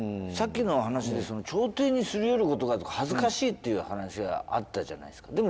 さっきの話で朝廷にすり寄ることが恥ずかしいっていう話があったじゃないですか。